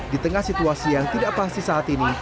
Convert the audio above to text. di tengah situasi yang tidak pasti saat ini